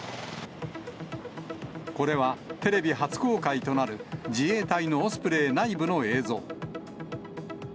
これは、テレビ初公開となる自衛隊のオスプレイ内部の映像。